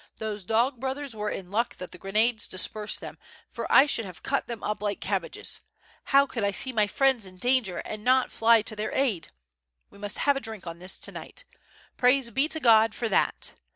Those dog brothers were in luck that the grenades dispersed them, for I should have cut them up like cabbages. How could T see my friends in danger and not flv to their aid ? We must have a drink on this to night. Praise be to God for that!